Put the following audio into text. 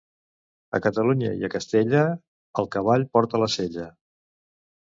A Catalunya i a Castella, el cavall porta la sella.